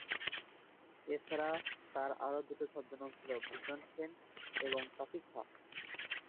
এছাড়াও তার আরো দুটো ছদ্মনাম ছিলো বিজন সেন এবং কাফি খাঁ।